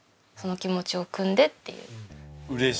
その気持ちをくんでっていう。